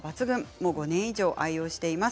もう５年以上、愛用しています。